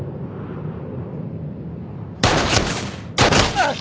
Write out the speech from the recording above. あっ。